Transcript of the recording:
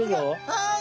はい。